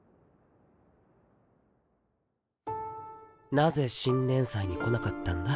なぜ新年祭に来なかったんだ？